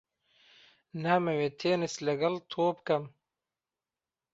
نامەوێت تێنس لەگەڵ تۆ بکەم.